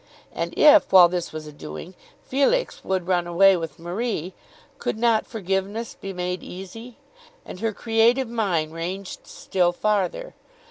And if, while this was a doing, Felix would run away with Marie, could not forgiveness be made easy? And her creative mind ranged still farther.